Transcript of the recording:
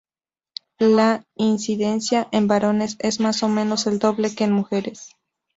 La incidencia en varones es más o menos el doble que en mujeres.